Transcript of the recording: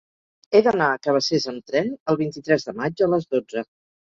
He d'anar a Cabacés amb tren el vint-i-tres de maig a les dotze.